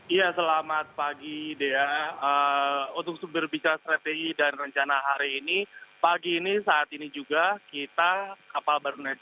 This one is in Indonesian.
iya selamat pagi dea untuk sumber bicara strategi dan rencana hari ini pagi ini saat ini juga kita kapal barunaja